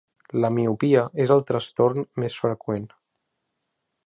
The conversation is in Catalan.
La miopia és el trastorn més freqüent.